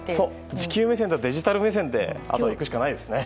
地球目線、デジタル目線でいくしかないですね。